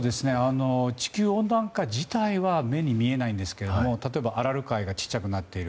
地球温暖化自体は目に見えないんですけれども例えばアラル海が小さくなっている。